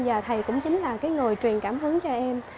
và thầy cũng chính là cái người truyền cảm hứng cho em